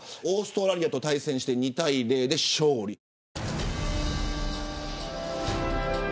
オーストラリアと対戦して２対０で勝利。